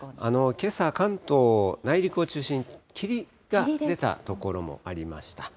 けさ、関東内陸を中心に、霧が出た所もありました。